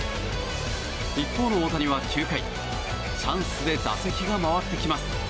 一方の大谷は９回チャンスで打席が回ってきます。